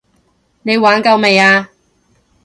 你玩夠未啊？